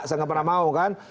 saya nggak pernah mau kan